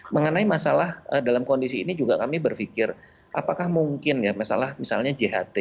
mengenai masalah dalam kondisi ini juga kami berpikir apakah mungkin ya masalah misalnya jht